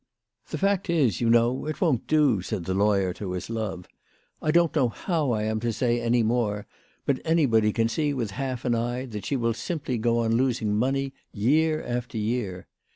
" The fact is, you know, it won't do," said the law yer to his love. " I don't know how I am to say any more, but anybody can see with half an eye that she will simply go on losing money year after year.